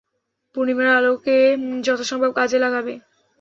পূর্ণিমার আলোকে যথাসম্ভব কাজে লাগাবে।